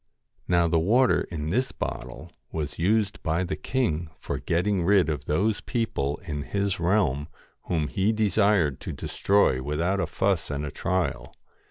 Now the water in this bottle was used by the king for getting rid of those people in his realm whom he desired to destroy without a fuss and a trial.